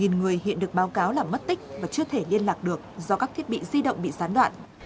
một người hiện được báo cáo là mất tích và chưa thể liên lạc được do các thiết bị di động bị gián đoạn